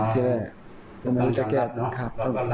ตรงนั้นจะแกล้ดนะครับ